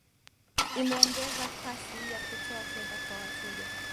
imeongeza kasi ya kutoa fedha kwa wateja